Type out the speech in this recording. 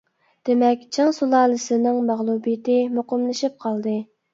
دېمەك، چىڭ سۇلالىسىنىڭ مەغلۇبىيىتى مۇقىملىشىپ قالدى.